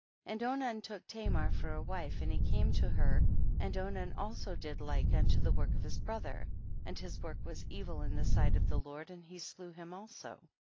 26. And Onan took Tamar for a wife and he came to her, and Onan also did like unto the work of his brother, and his work was evil in the sight of the Lord, and he slew him also.